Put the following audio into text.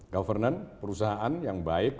governance perusahaan yang baik